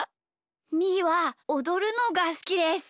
みーはおどるのがすきです。